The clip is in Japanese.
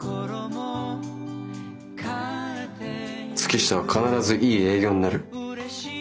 月下は必ずいい営業になる。